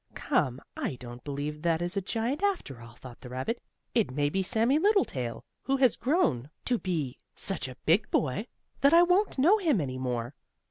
"Come, I don't believe that is a giant after all," thought the rabbit. "It may be Sammie Littletail, who has grown to be such a big boy that I won't know him any more."